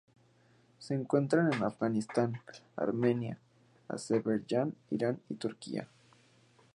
Se encuentran en Afganistán, Armenia, Azerbaiyán, Irán y Turquía.